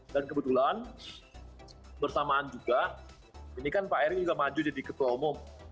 dan kebetulan bersamaan juga ini kan pak erik juga maju jadi ketua umum